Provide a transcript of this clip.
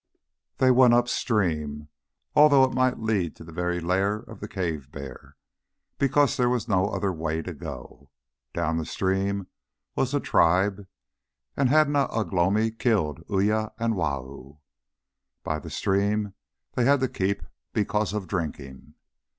They went up stream, although it might lead to the very lair of the cave bear, because there was no other way to go. Down the stream was the tribe, and had not Ugh lomi killed Uya and Wau? By the stream they had to keep because of drinking.